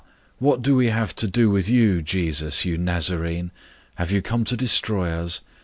What do we have to do with you, Jesus, you Nazarene? Have you come to destroy us?